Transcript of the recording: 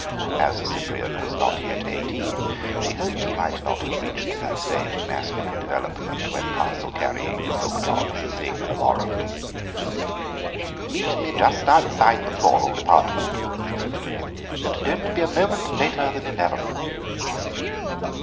As Cyprian was not yet eighteen she hoped he might not have reached that stage in masculine development when parcel carrying is looked on as a thing abhorrent. "Meet me just outside the floral department," she wrote to him, "and don't be a moment later than eleven."